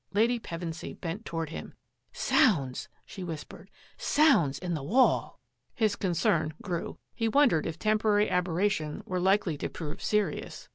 " Lady Pevensy bent toward him. " Sounds !" she whispered. " Sounds in the wall !" His concern grew. He wondered if temporary aberration were likely to prove serious.